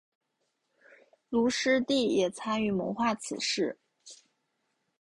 卢师谛也参与谋划此事。